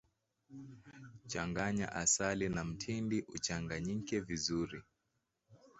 changanya asali na mtindi uchanganyike vizuri